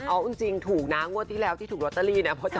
เอาจริงถูกนะงวดที่แล้วที่ถูกลอตเตอรี่เนี่ย